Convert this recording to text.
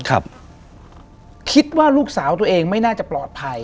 คิดว่าลูกสาวตัวเองไม่น่าจะปลอดภัย